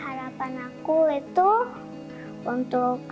harapan aku itu untuk